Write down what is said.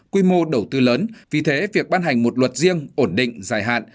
quy mô đầu tư lớn vì thế việc ban hành một luật riêng ổn định dài hạn